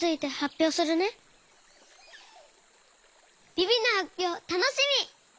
ビビのはっぴょうたのしみ！